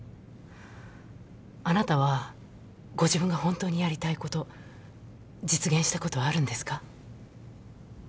あなたはご自分が本当にやりたいこと実現したことはあるんですか？